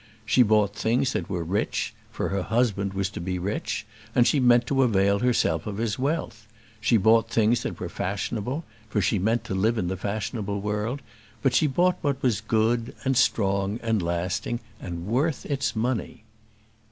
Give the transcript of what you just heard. She bought things that were rich, for her husband was to be rich, and she meant to avail herself of his wealth; she bought things that were fashionable, for she meant to live in the fashionable world; but she bought what was good, and strong, and lasting, and worth its money.